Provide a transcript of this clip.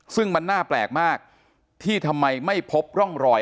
ซึ่งมันน่าแปลกมากที่ทำไมไม่พบร่องรอย